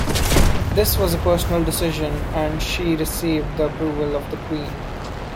This was a personal decision, and she received the approval of The Queen.